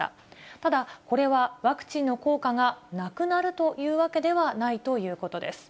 ただ、これはワクチンの効果がなくなるというわけではないということです。